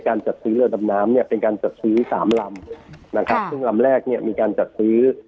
จัดซื้อเรือดำน้ำเนี่ยเป็นการจัดซื้อสามลำนะครับซึ่งลำแรกเนี่ยมีการจัดซื้อ